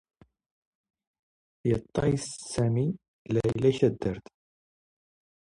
ⵉⵟⵟⴰⵢ ⵙⴰⵎⵉ ⵍⴰⵢⵍⴰ ⴳ ⵜⴰⴷⴷⴰⵔⵜ.